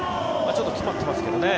ちょっと詰まってますけどね。